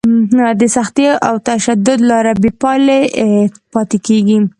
د سختي او تشدد لاره بې پایلې پاتې کېږي.